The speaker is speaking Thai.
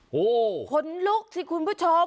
โอ้โหขนลุกสิคุณผู้ชม